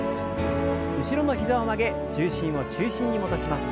後ろの膝を曲げ重心を中心に戻します。